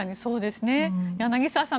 柳澤さん